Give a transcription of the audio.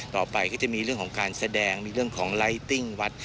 ต่อไปก็จะมีเรื่องของการแสดงมีเรื่องของไลติ้งวัด